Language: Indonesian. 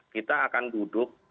kita akan duduk